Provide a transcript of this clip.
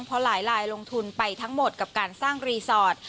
เพราะหลายลายลงทุนไปทั้งหมดกับการสร้างรีสอร์ท